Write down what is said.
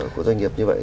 của doanh nghiệp như vậy